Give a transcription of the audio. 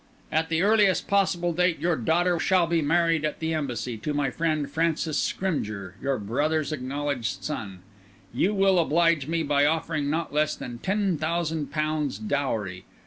At the earliest possible date your daughter shall be married at the Embassy to my friend, Francis Scrymgeour, your brother's acknowledged son. You will oblige me by offering not less than ten thousand pounds dowry.